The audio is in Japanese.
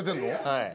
はい。